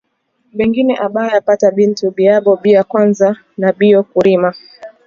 Bengine abaya pata bintu biabo bia kwanza nabio kurima